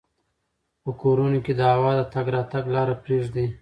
په کورونو کې د هوا د تګ راتګ لاره پریږدئ.